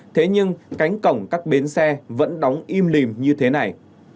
thế nhưng cánh cổng các bến xe vẫn đóng im lìm như thế này